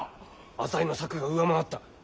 浅井の策が上回った。